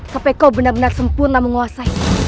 tapi kau benar benar sempurna menguasai